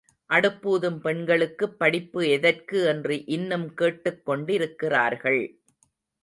அடுப்பூதும் பெண்களுக்குப் படிப்பு எதற்கு என்று இன்னும் கேட்டுக் கொண்டிருக்கிறார்கள்.